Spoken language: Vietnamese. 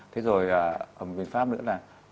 thế rồi một cái pháp nữa là